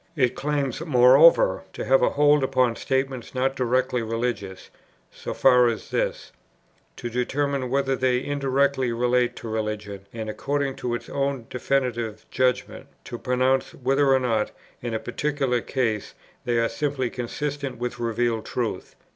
It claims, moreover, to have a hold upon statements not directly religious, so far as this, to determine whether they indirectly relate to religion, and, according to its own definitive judgment, to pronounce whether or not, in a particular case, they are simply consistent with revealed truth.